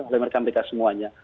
oleh mereka mereka semuanya